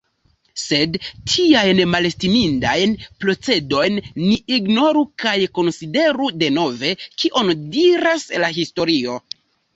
Sed tiajn malestimindajn procedojn ni ignoru kaj konsideru denove, kion diras la historio.